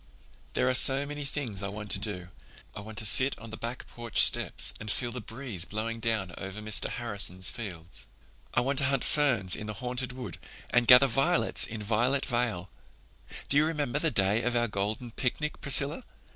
"There are so many things I want to do. I want to sit on the back porch steps and feel the breeze blowing down over Mr. Harrison's fields. I want to hunt ferns in the Haunted Wood and gather violets in Violet Vale. Do you remember the day of our golden picnic, Priscilla?